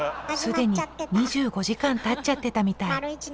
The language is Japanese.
既に２５時間たっちゃってたみたい。